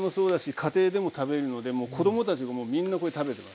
家庭でも食べるので子供たちがみんなこれ食べてますね。